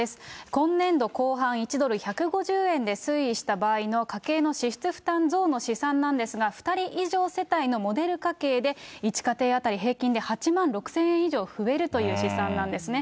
今年度後半１ドル１５０円で推移した場合の家計の支出負担増の試算なんですが、２人以上世帯のモデル家計で、１家庭当たり平均で８万６０００円以上増えるという試算なんですね。